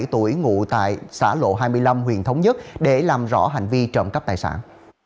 hai mươi bảy tuổi ngủ tại xã lộ hai mươi năm huyền thống nhất để làm rõ hành vi trộm cấp tài sản